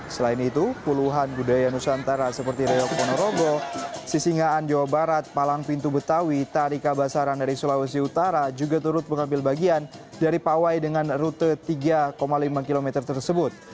selain itu puluhan budaya nusantara seperti reok ponorogo sisingaan jawa barat palang pintu betawi tarika basaran dari sulawesi utara juga turut mengambil bagian dari pawai dengan rute tiga lima km tersebut